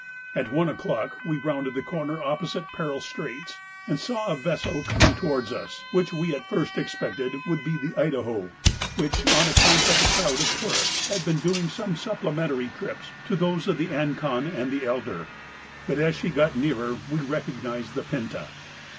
At one o'clock we rounded the corner opposite Peril Straits, and saw a vessel coming towards us, which we at first expected would be the 'Idaho,' which, on account of the crowd of tourists, had been doing some supplementary trips to those of the 'Ancon' and 'Elder,' but as she got nearer we recognised the 'Pinta.